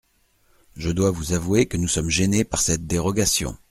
Je dois vous avouer que nous sommes gênés par cette dérogation.